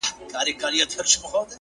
ته مُلا په دې پېړۍ قال ـ قال کي کړې بدل،